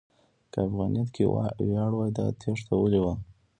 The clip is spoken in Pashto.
که افغانیت کې ویاړ و، دا تېښته ولې وه؟